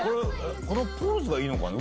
このポーズがいいのかな？